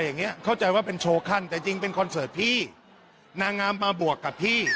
นางงามมาบวกกับพี่